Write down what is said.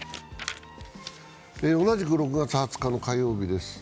同じく６月２０日の火曜日です。